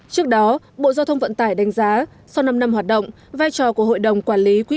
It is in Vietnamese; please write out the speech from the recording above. trước đó bộ giao thông vận tải đánh giá sau năm năm hoạt động vai trò của hội đồng quản lý quỹ